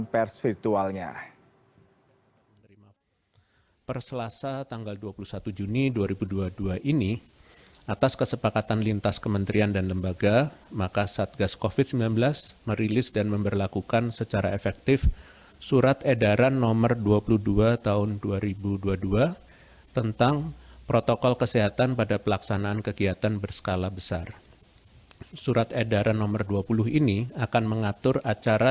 pemerintah kembali melakukan evakuasi dan menghentikan pemberlakuan pembatasan kegiatan masyarakat